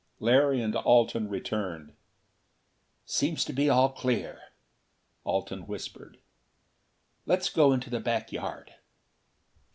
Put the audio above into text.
Larry and Alten returned. "Seems to be all clear," Alten whispered. "Let's go into the back yard."